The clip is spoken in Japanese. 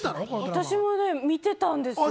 私もね、見てたんです。